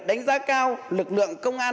đánh giá cao lực lượng công an